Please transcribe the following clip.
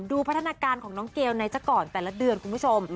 พัฒนาการของน้องเกลไหนสักก่อนแต่ละเดือนคุณผู้ชม